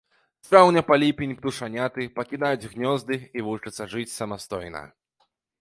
З траўня па ліпень птушаняты пакідаюць гнёзды і вучацца жыць самастойна.